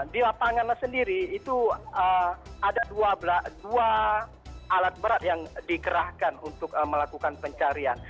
di lapangan sendiri itu ada dua alat berat yang dikerahkan untuk melakukan pencarian